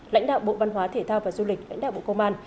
lãnh đạo bộ văn hóa thể thao và du lịch lãnh đạo bộ công an